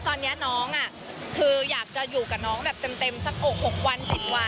ตอนนี้น้องคืออยากจะอยู่กับน้องแบบเต็มสัก๖วัน๗วัน